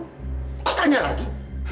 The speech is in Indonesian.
kau tanya lagi